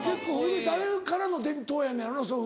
誰からの伝統やのやろな？